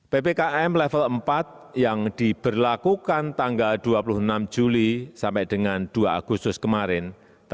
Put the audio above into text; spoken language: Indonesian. ppkm level empat yang diberlakukan tanggal dua puluh enam juli sampai dengan dua agustus kemarin